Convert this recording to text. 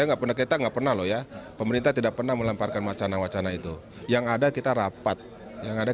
bapak soehardi alius